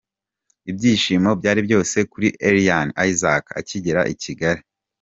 Ibyishimo byari byose kuri Eliane Isaac akigera i Kigali.